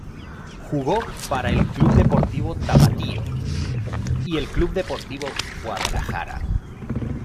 Jugó para el Club Deportivo Tapatío y el Club Deportivo Guadalajara.